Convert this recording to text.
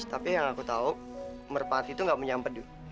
tapi yang aku tau merpati itu gak punya pedu